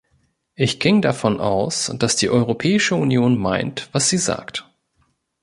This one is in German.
Ich ging davon aus, dass die Europäische Union meint, was sie sagt.